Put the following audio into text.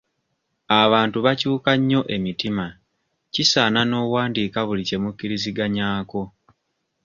Abantu bakyuka nnyo emitima kisaaana n'owandiika buli kye mukkiriziganyaako.